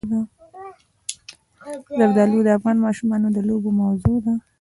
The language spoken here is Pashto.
زردالو د افغان ماشومانو د لوبو موضوع ده.